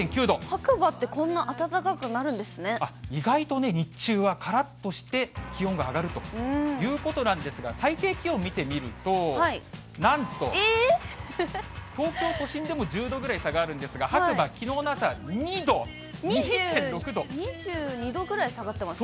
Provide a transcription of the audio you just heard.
白馬ってこんな暖かくなるんあっ、意外とね、日中はからっとして、気温が上がるということなんですが、最低気温見てみると、なんと、東京都心でも１０度ぐらい下がるんですが、白馬、きのうの朝は２２２度ぐらい下がってます？